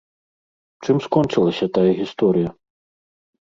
Чым скончылася тая гісторыя?